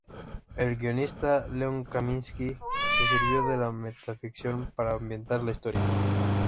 El guionista Len Kaminski se sirvió de la metaficción para ambientar la historia.